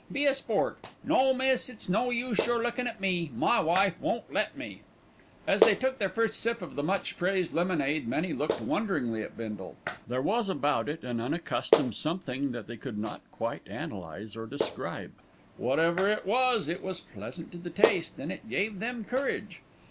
Be a sport. No, miss, it's no use your looking at me; my wife won't let me." As they took their first sip of the much praised lemonade, many looked wonderingly at Bindle. There was about it an unaccustomed something that they could not quite analyse or describe. Whatever it was, it was pleasant to the taste, and it gave them courage.